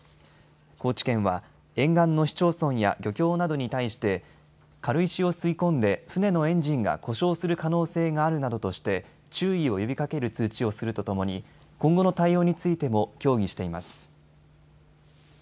高知県は沿岸の市町村や漁協などに対して軽石を吸い込んで船のエンジンが故障する可能性があるなどとして注意を呼びかける通知をするとともに、今後の対応についても協議しています。